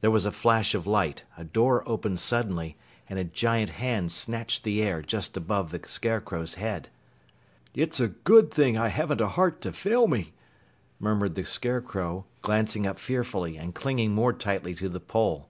There was a flash of light, a door opened suddenly, and a giant hand snatched the air just above the Scarecrow's head. "It's a good thing I haven't a heart to fail me," murmured the Scarecrow, glancing up fearfully and clinging more tightly to the pole.